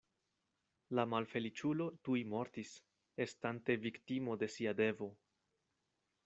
La malfeliĉulo tuj mortis, estante viktimo de sia devo.